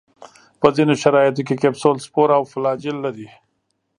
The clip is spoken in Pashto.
په ځینو شرایطو کې کپسول، سپور او فلاجیل لري.